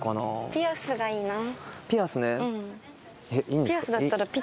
「ピアスがいいなぁ」